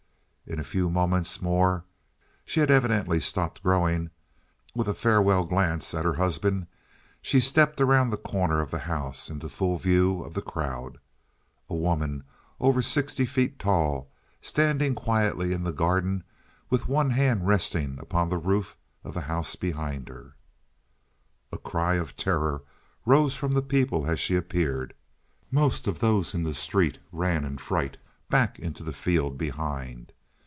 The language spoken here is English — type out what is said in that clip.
In a few moments more (she had evidently stopped growing) with a farewell glance at her husband, she stepped around the corner of the house into full view of the crowd a woman over sixty feet tall, standing quietly in the garden with one hand resting upon the roof of the house behind her. A cry of terror rose from the people as she appeared. Most of those in the street ran in fright back into the field behind.